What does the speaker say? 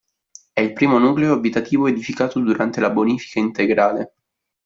È il primo nucleo abitativo edificato durante la Bonifica Integrale.